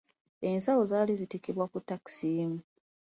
Ensawo zaali zitikkibwa ku takisi.